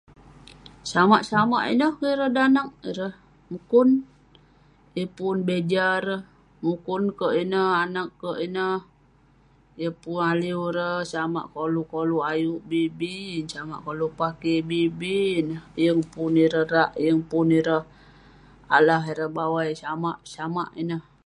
Samak samak ineh keh ireh danag, ireh mukun..yeng pun beja ireh, mukun kerk ineh, anag kerk ineh..yeng pun aliew ireh, samak koluk koluk ayuk bi bi ,sama koluk pakey bi bi neh, yeng pun ireh rak, yeng pun ireh alah, ireh bawai..samak samak ineh.